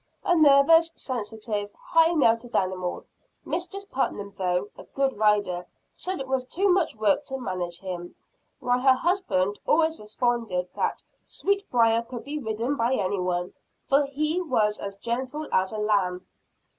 A nervous, sensitive, high mettled animal; Mistress Putnam, though a good rider, said it was too much work to manage him. While her husband always responded that Sweetbriar could be ridden by any one, for he was as gentle as a lamb.